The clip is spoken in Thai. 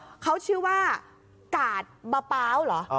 เขาชื่อว่ากาดมะป๊าวเหรอ